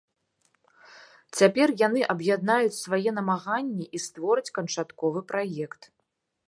Цяпер яны аб'яднаюць свае намаганні і створаць канчатковы праект.